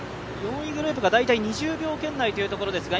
４位グループが２０秒圏内というところですが